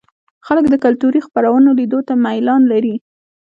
خلک د کلتوري خپرونو لیدو ته میلان لري.